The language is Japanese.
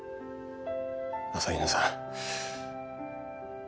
朝日奈さん。